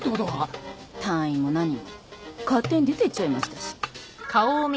退院も何も勝手に出てっちゃいましたし。